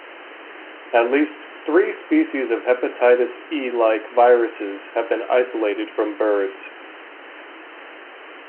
At least three species of hepatitis E-like viruses have been isolated from birds.